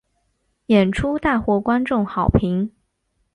演出大获观众好评。